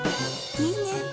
いいね。